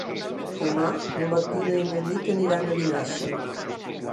Demà na Martina i na Nit aniran a Vinaixa.